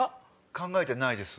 考えてないです。